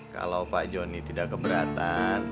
kalau pak joni tidak keberatan